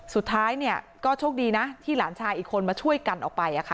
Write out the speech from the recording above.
สุดท้ายก็โชคดีนะที่หลานชายอีกคนมาช่วยกันออกไป